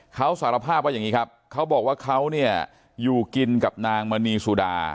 เขาสารภาพว่าอย่างนี้ครับเขาบอกว่าเขาเนี่ยอยู่กินกับนางมณีสุดา